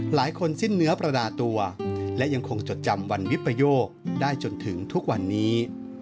หลายคนสิ้นเนื้อประดาตัวและยังคงจดจำวันวิปโยคได้จนถึงทุกวันนี้